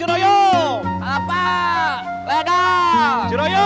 ia dua minggu weer cisco